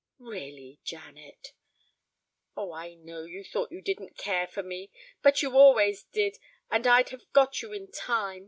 "Really, Janet." "Oh, I know, you thought you didn't care for me, but you always did, and I'd have got you in time.